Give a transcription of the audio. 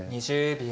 ２０秒。